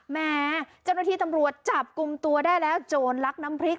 แม้เจ้าหน้าที่ตำรวจจับกลุ่มตัวได้แล้วโจรลักน้ำพริก